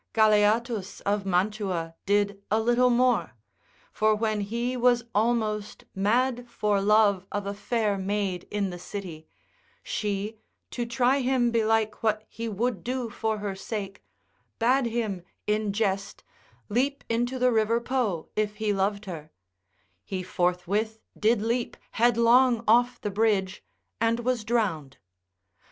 Galeatus of Mantua did a little more: for when he was almost mad for love of a fair maid in the city, she, to try him belike what he would do for her sake, bade him in jest leap into the river Po if he loved her; he forthwith did leap headlong off the bridge and was drowned.